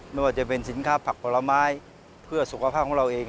ไม่ว่าจะเป็นสินค้าผักผลไม้เพื่อสุขภาพของเราเอง